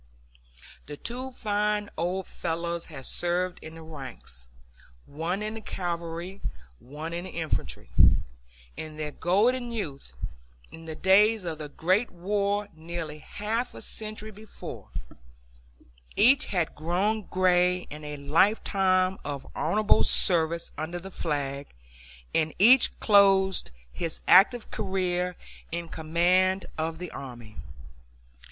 The two fine old fellows had served in the ranks, one in the cavalry, one in the infantry, in their golden youth, in the days of the great war nearly half a century before; each had grown gray in a lifetime of honorable service under the flag, and each closed his active career in command of the army.